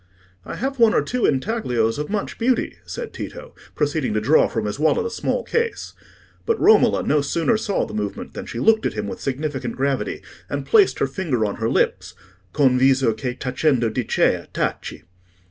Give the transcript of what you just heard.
"I have one or two intaglios of much beauty," said Tito, proceeding to draw from his wallet a small case. But Romola no sooner saw the movement than she looked at him with significant gravity, and placed her finger on her lips— "Con viso che tacendo dicea, Taci."